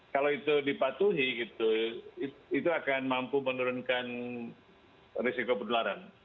kalau itu dipatuhi gitu itu akan mampu menurunkan risiko penularan